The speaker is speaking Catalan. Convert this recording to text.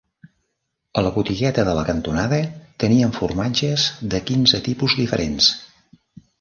A la botigueta de la cantonada tenien formatges de quinze tipus diferents.